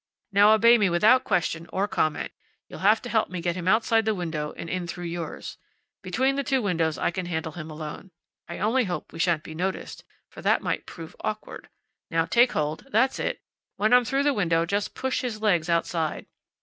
Now obey me without question or comment. You'll have to help me get him outside the window and in through yours. Between the two windows I can handle him alone. I only hope we shan't be noticed, for that might prove awkward. Now take hold. That's it. When I'm through the window just push his legs outside."